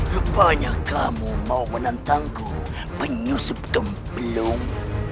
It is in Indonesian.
rupanya kamu mau menantangku penyusup gempelung